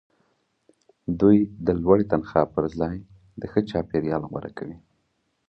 دوی د لوړې تنخوا پرځای د ښه چاپیریال غوره کوي